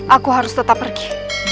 aku harus tetap pergi